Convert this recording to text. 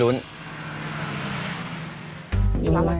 อันนี้อากาเว่